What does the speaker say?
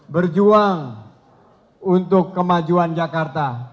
berjuang untuk kemajuan jakarta